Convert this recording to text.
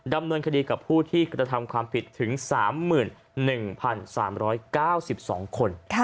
ดำเนินคดีกับผู้ที่กระทำความผิดถึง๓๑๓๙๒คน